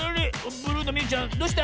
ブルーのみゆちゃんどうした？